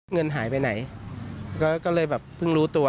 เงินหายไปไหนก็เลยแบบเพิ่งรู้ตัว